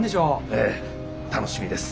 ええ楽しみです。